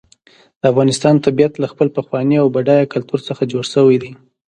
د افغانستان طبیعت له خپل پخواني او بډایه کلتور څخه جوړ شوی دی.